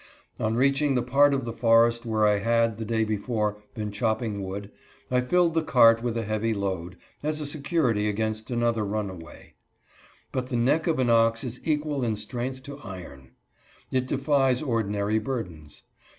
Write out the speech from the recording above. On reaching the part of the forest where I had, the day before, been chopping wood, I filled the cart with a heavy load, 146 CKOWNING DISASTER OF THE DAY. as a security against another runaway. But the neck of an ox is equal in strength to iron. It defies ordinary burdens.